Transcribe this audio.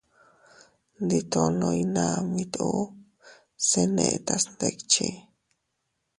Nditono iynamit uu, se netas ndikchi.